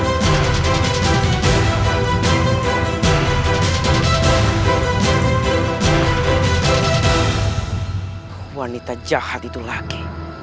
jangan berpikir bahwa ayah jahat itu laki